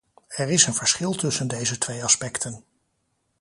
Er is een verschil tussen deze twee aspecten.